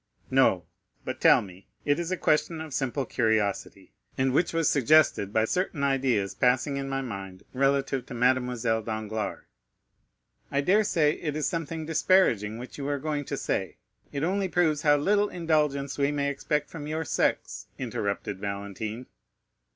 "No; but tell me—it is a question of simple curiosity, and which was suggested by certain ideas passing in my mind relative to Mademoiselle Danglars——" "I dare say it is something disparaging which you are going to say. It only proves how little indulgence we may expect from your sex," interrupted Valentine.